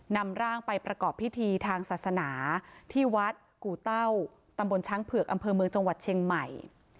นำร่างไปประกอบพิธีทางศาสนาที่วัดกู่เต้าตำบลช้างเผือกอำเภอเมืองจังหวัดเชียงใหม่